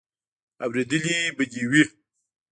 اورېدلې به دې وي.